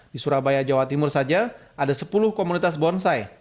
di surabaya jawa timur saja ada sepuluh komunitas bonsai